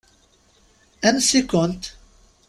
Ansi-kent?